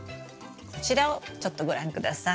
こちらをちょっとご覧下さい。